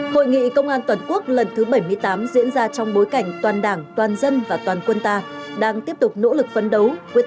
hội nghị công an toàn quốc lần thứ bảy mươi tám diễn ra trong bối cảnh toàn đảng toàn dân và toàn quân ta đang tiếp tục nỗ lực phấn đấu